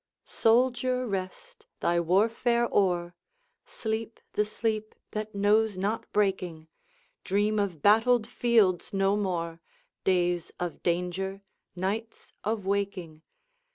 Soldier, rest! thy warfare o'er, Sleep the sleep that knows not breaking; Dream of battled fields no more, Days of danger, nights of waking.